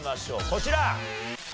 こちら。